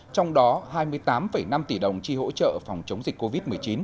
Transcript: trong đó hai mươi tám năm tỷ đồng chi hỗ trợ phòng chống dịch covid một mươi chín